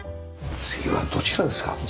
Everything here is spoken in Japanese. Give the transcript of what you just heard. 次はどちらですか？